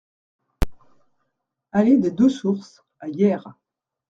Allée des Deux Sources à Yerres